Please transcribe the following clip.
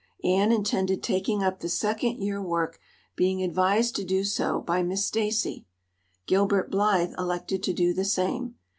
Anne intended taking up the Second Year work being advised to do so by Miss Stacy; Gilbert Blythe elected to do the same.